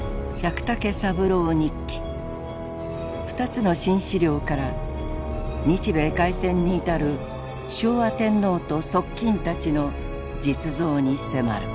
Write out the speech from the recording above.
２つの新資料から日米開戦に至る昭和天皇と側近たちの実像に迫る。